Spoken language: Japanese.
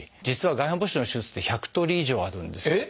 実は外反母趾の手術って１００通り以上あるんです。